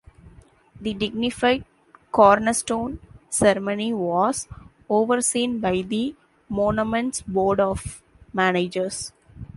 The dignified cornerstone ceremony was overseen by the Monument's Board of Managers.